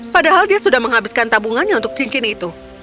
padahal dia sudah menghabiskan tabungannya untuk cincin itu